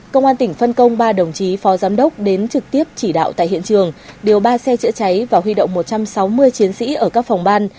công an tỉnh phân công ba đồng chí phó giám đốc đến trực tiếp chỉ đạo tại hiện trường điều ba xe chữa cháy và huy động một trăm sáu mươi chiến sĩ ở các phòng ban